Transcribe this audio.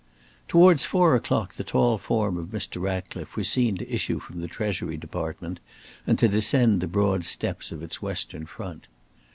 Towards four o'clock the tall form of Mr. Ratcliffe was seen to issue from the Treasury Department and to descend the broad steps of its western front.